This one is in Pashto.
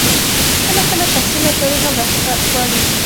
کله کله شخصي مشورې هم راڅخه غواړي.